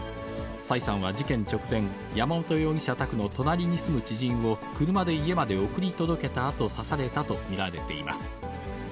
崔さんは事件直前、山本容疑者宅の隣に住む知人を車で家まで送り届けたあと、刺されたと見られています。